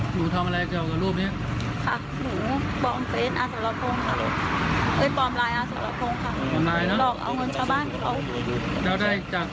ซื้อทองค่ะ